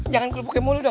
jangan kelupuknya mulu dong